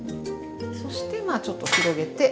そしてまあちょっと広げて。